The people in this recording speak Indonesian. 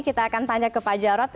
kita akan tanya ke pak jarod